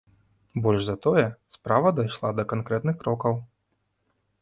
Больш за тое, справа дайшла да канкрэтных крокаў.